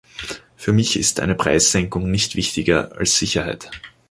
Für mich ist eine Preissenkung nicht wichtiger als Sicherheit.